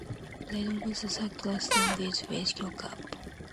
Breedon has a circular stone-built village lock-up.